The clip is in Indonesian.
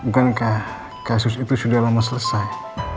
bukankah kasus itu sudah lama selesai